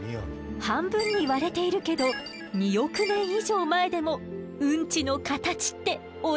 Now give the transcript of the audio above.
半分に割れているけど２億年以上前でもウンチの形って同じなのね。